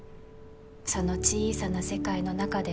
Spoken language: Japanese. その小さな世界の中で